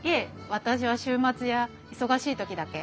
私は週末や忙しい時だけ。